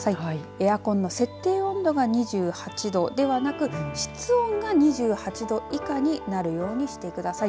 エアコンの設定温度が２８度ではなく室温が２８度以下になるようにしてください。